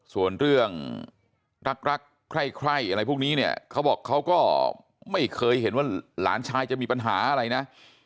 ส่วนเรื่องรักใคร่อะไรพวกนี้เนี่ยเขาบอกเขาก็ไม่เคยเห็นว่าหลานชายจะมีปัญหาอะไรนะ